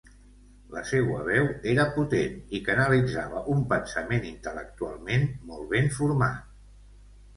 La seua veu era potent i canalitzava un pensament intel·lectualment molt ben format.